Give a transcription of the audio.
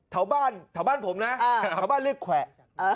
ถ่าวบ้านผมนะถ่าวบ้านเรียกแขวะ